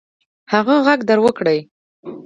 هغه ږغ در وکړئ.